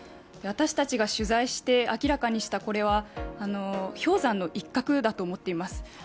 私たちが取材して明らかにしたこれは氷山の一角だと思っています。